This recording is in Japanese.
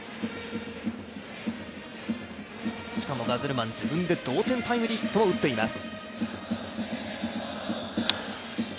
しかもガゼルマン、自分で同点タイムリーヒットを打っています。